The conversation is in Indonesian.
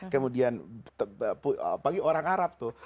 kemudian apalagi orang arab tuh